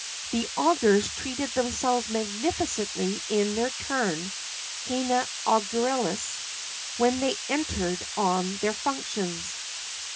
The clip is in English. [XXX 24] The augurs treated themselves magnificently in their turn (cœna auguralis), when they entered on their functions.